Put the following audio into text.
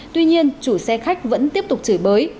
tuy nhiên chủ xe khách vẫn tiếp tục chửi bới